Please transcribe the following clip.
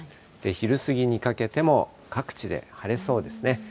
昼過ぎにかけても各地で晴れそうですね。